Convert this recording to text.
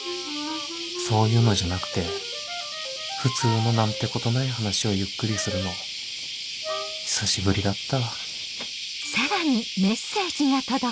そういうのじゃなくて普通の何てことない話をゆっくりするの久しぶりだった